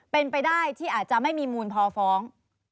เป็นไปได้ที่อาจจะไม่มีมูลพอฟ้อง